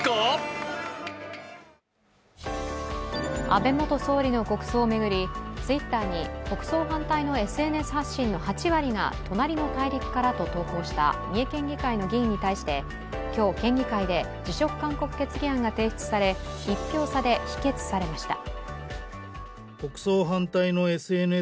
安倍元総理の国葬を巡りＴｗｉｔｔｅｒに国葬反対のＳＮＳ発信の８割が隣の大陸からと投稿した三重県議会の議員に対して今日、県議会で辞職勧告決議案が提出され１票差で否決されました。